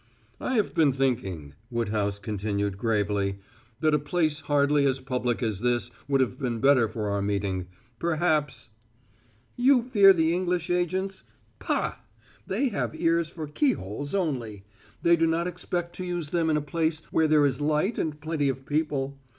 "I have been thinking," Woodhouse continued gravely, "that a place hardly as public as this would have been better for our meeting. Perhaps " "You fear the English agents? Pah! They have ears for keyholes only; they do not expect to use them in a place where there is light and plenty of people.